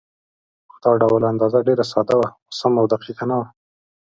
دا ډول اندازه ډېره ساده وه، خو سمه او دقیقه نه وه.